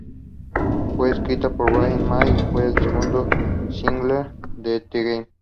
Fue escrita por Brian May, y fue el segundo single de "The Game".